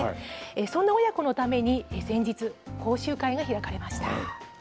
そんな親子のために、先日、講習会が開かれました。